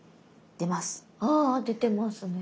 あ出てますね。